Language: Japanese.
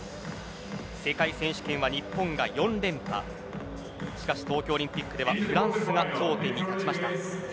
世界選手権は日本が４連覇をしかし東京オリンピックではフランスが頂点に立ちました。